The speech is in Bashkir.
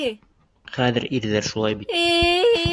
Хәҙер ирҙәр шулай бит.